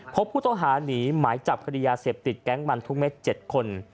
พบผู้ต้องหาหนีหมายจับคดียาเสพติดแก๊งมันทุกเม็ด๗คน